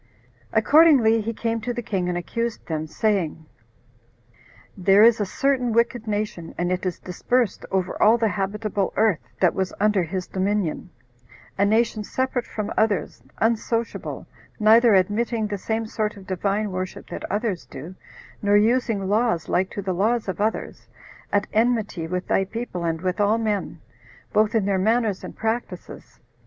Accordingly he came to the king, and accused them, saying, "There is a certain wicked nation, and it is dispersed over all the habitable earth that was under his dominion; a nation separate from others, unsociable, neither admitting the same sort of Divine worship that others do, nor using laws like to the laws of others, at enmity with thy people, and with all men, both in their manners and practices.